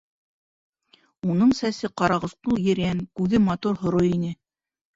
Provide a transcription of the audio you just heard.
Уның сәсе ҡарағусҡыл ерән, күҙе матур һоро ине.